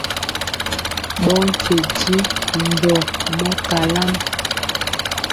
Ɓɔɔ nkye njiŋ mbɔ mɔ kalam.